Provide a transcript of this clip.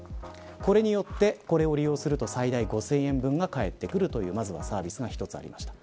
これによって最大５０００円分が返ってくるというサービスがあります。